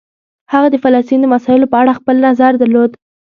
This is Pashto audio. هغه د فلسطین د مسایلو په اړه خپل نظر درلود.